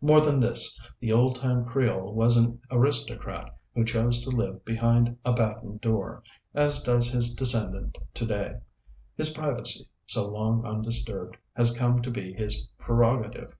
More than this, the old time Creole was an aristocrat who chose to live behind a battened door, as does his descendant to day. His privacy, so long undisturbed, has come to be his prerogative.